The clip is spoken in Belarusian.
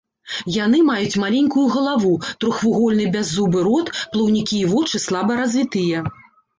Яны маюць маленькую галаву, трохвугольны бяззубы рот, плаўнікі і вочы слаба развітыя.